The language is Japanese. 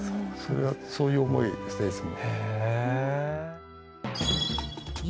そういう思いですねいつも。